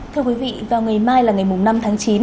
thưa quý vị vào ngày mai là ngày năm tháng chín